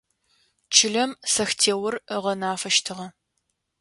Чылэм сэхтеор ыгъэнафэщтыгъэ.